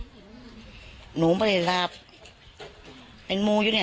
สงสันหนูเนี่ยว่าสงสันมีกระทิแววออกได้จังไหน